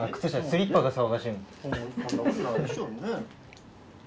スリッパが騒がしいもん。